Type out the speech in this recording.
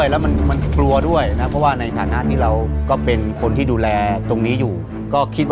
คือมันเหมือนกับหมดหมด